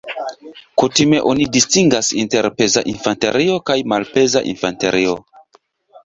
Kutime oni distingas inter peza infanterio kaj malpeza infanterio.